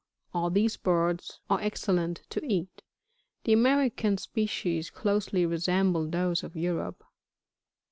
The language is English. All these birds are excellent to eat. The American species closely resemble those of Europe.